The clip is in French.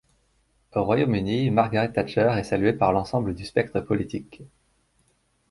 Au Royaume-Uni, Margaret Thatcher est saluée par l'ensemble du spectre politique.